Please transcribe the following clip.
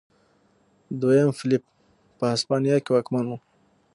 دویم فلیپ په هسپانیا کې واکمن و.